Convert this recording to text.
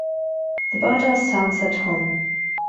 The batter stands at Home.